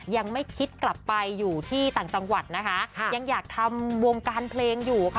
ยังไม่คิดกลับไปอยู่ที่ต่างจังหวัดนะคะยังอยากทำวงการเพลงอยู่ค่ะ